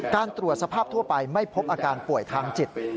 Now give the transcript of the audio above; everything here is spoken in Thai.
ตรวจสภาพทั่วไปไม่พบอาการป่วยทางจิต